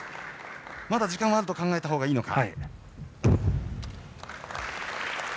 まだ時間はあると考えたほうがいいのか。